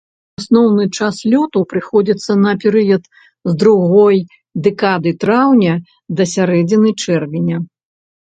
Асноўны час лёту прыходзіцца на перыяд з другой дэкады траўня да сярэдзіны чэрвеня.